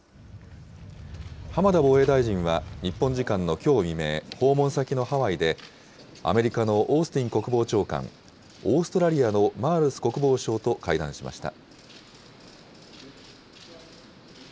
浜田防衛大臣は、日本時間のきょう未明、訪問先のハワイで、アメリカのオースティン国防長官、オーストラリアのマールス国防相と会談しました。